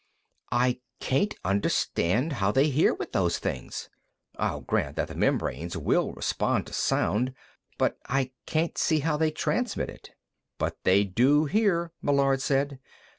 "I can't understand how they hear with those things. I'll grant that the membranes will respond to sound, but I can't see how they transmit it." "But they do hear," Meillard said.